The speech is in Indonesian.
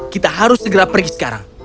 kita harus segera pergi sekarang